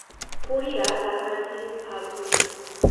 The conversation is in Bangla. পড়িয়া তাহার কিরূপ ভাব হইল।